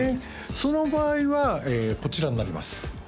その場合はこちらになります